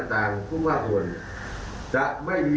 อย่างเหมือนเรียนมีได้